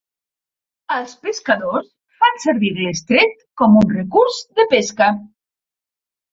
Els pescadors fan servir l'estret com un recurs de pesca.